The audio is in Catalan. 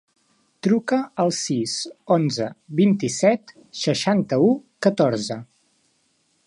Truca al sis, onze, vint-i-set, seixanta-u, catorze.